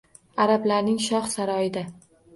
Arablarning shox saroyida!